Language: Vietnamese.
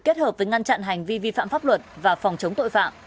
kết hợp với ngăn chặn hành vi vi phạm pháp luật